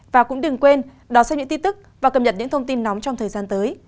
và cũng đừng quên đón xem những tin tức tiếp theo